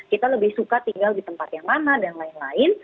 kita lebih suka tinggal di tempat yang mana dan lain lain